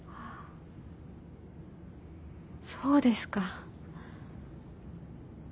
そうですか。